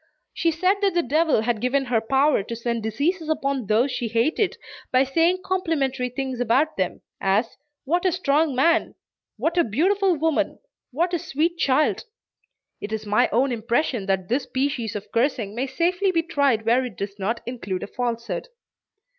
She said that the devil had given her power to send diseases upon those she hated, by saying complimentary things about them, as "What a strong man!" "what a beautiful woman!" "what a sweet child!" It is my own impression that this species of cursing may safely be tried where it does not include a falsehood.